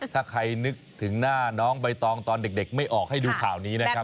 ถ้าใครนึกถึงหน้าน้องใบตองตอนเด็กไม่ออกให้ดูข่าวนี้นะครับ